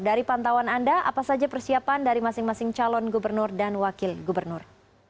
dari pantauan anda apa saja persiapan dari masing masing calon gubernur dan wakil gubernur